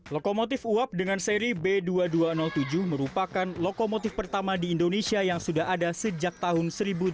lokomotif uap dengan seri b dua ribu dua ratus tujuh merupakan lokomotif pertama di indonesia yang sudah ada sejak tahun seribu delapan ratus